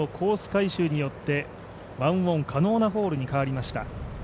改修によって１オン可能なホールに変わりました。